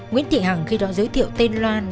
nguyễn thị hằng khi đó giới thiệu tên loan